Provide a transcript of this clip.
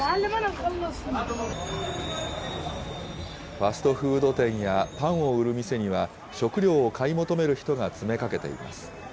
ファストフード店やパンを売る店には、食料を買い求める人が詰めかけています。